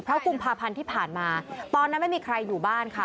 เพราะกุมภาพันธ์ที่ผ่านมาตอนนั้นไม่มีใครอยู่บ้านค่ะ